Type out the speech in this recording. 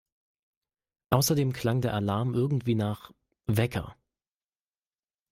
Außerdem klang der Alarm irgendwie nach … Wecker!